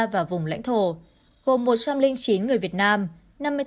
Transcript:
và vùng lãnh thổ gồm một trăm linh chín người việt nam